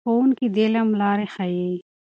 ښوونکي د علم لارې ښیي.